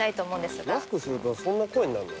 マスクするとそんな声になるの？